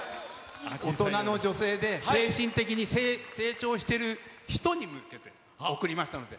大人の女性で、精神的に成長してる人に向けて贈りましたので。